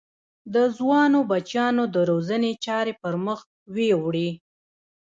د ځوانو بچیانو د روزنې چارې پر مخ ویوړې.